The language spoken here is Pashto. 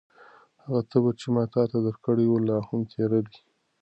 هغه تبر چې ما تاته درکړی و، لا هم تېره دی؟